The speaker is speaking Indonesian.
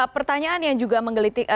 pertanyaan yang juga menggelitik